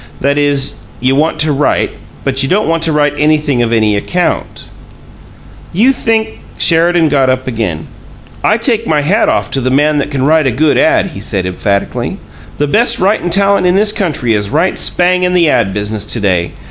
"That is, you want to write, but you don't want to write anything of any account." "You think " Sheridan got up again. "I take my hat off to the man that can write a good ad," he said, emphatically. "The best writin' talent in this country is right spang in the ad business to day.